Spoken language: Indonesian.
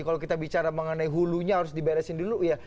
kalau kita bicara mengenai hulunya harus diberesin dulu ya